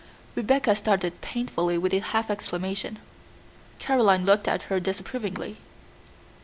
Rebecca started painfully with a half exclamation. Caroline looked at her disapprovingly.